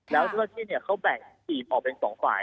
แล้วที่คิดเนี่ยเขาแบ่งผีออกเพียงสองฝ่าย